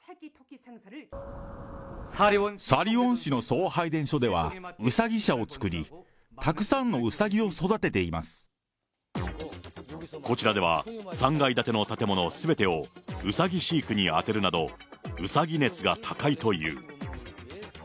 サリウォン市の送配電所では、うさぎ舎を作り、たくさんのうさこちらでは、３階建ての建物すべてをうさぎ飼育に充てるなど、うさぎ熱が高いという。